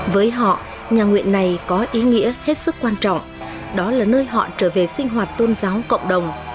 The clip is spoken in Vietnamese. với họ nhà nguyện này có ý nghĩa hết sức quan trọng đó là nơi họ trở về sinh hoạt tôn giáo cộng đồng